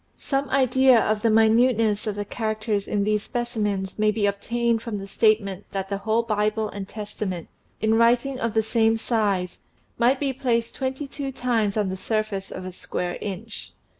Some idea of the minuteness of the characters in these specimens may be obtained from the statement that the whole Bible and Testament, in writing of the same size, might be placed twenty two times on the surface of a square inch.